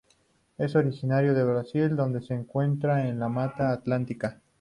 Es originaria de Brasil donde se encuentra en la Mata Atlántica.